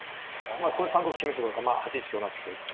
まあここで３五歩決めとくのか８一香成っといて。